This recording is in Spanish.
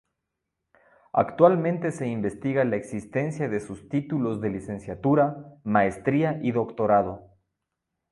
Actualmente se investiga la existencia de sus títulos de licenciatura, maestría y doctorado.